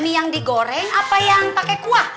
mie yang digoreng apa yang pakai kuah